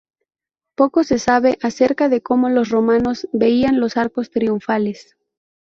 Poco se sabe acerca de cómo los romanos veían los arcos triunfales.